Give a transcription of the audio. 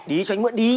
đi cho anh mượn đi